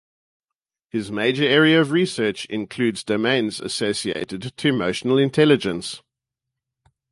His major area of research includes domains associated to Emotional Intelligence.